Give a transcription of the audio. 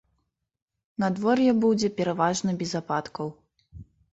Надвор'е будзе пераважна без ападкаў.